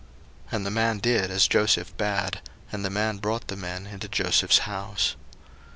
01:043:017 And the man did as Joseph bade; and the man brought the men into Joseph's house.